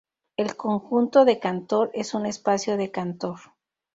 El conjunto de Cantor es un espacio de Cantor.